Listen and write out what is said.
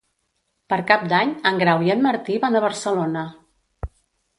Per Cap d'Any en Grau i en Martí van a Barcelona.